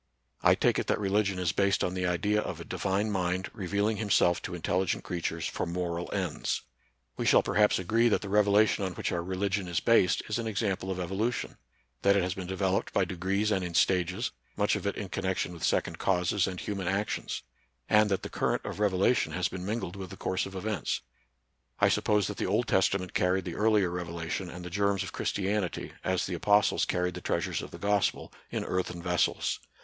I take it that religion is based on the idea of a Divine Mind revealing himself to intelligent creatures for moral ends. NATURAL SCIENCE AND RELIGION. 107 We shall perhaps agree that the revelation on which our religion is based is an example of evolution; that it has been developed by de grees and in stages, much of it in connection with second causes and human actions; and that the current of revelation has been mingled with the course of events. I suppose that the Old Testament carried the earlier revelation and the germs of Christianity, a,3 the apostles carried the treasures of the gospel, in earthen vessels.